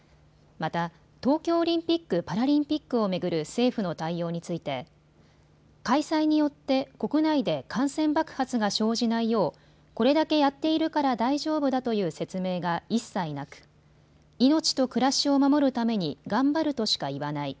また、東京オリンピック・パラリンピックを巡る政府の対応について開催によって国内で感染爆発が生じないようこれだけやっているから大丈夫だという説明が一切なく、命と暮らしを守るために頑張るとしか言わない。